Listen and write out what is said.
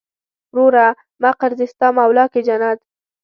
وروره مقر دې ستا مولا کې جنت.